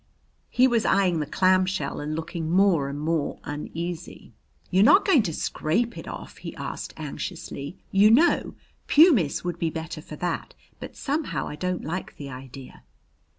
He was eyeing the clamshell and looking more and more uneasy. "You're not going to scrape it off?" he asked anxiously. "You know, pumice would be better for that, but somehow I don't like the idea."